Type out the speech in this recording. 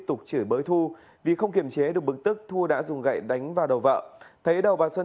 tục chửi bới thu vì không kiểm chế được bực tức thua đã dùng gậy đánh vào đầu vợ thấy đầu bà xuân